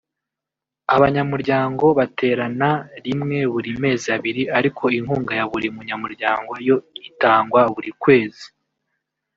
Abanyamuryango baterana rimwe buri mezi abiri ariko inkunga ya buri munyamuryango yo itangwa buri kwezi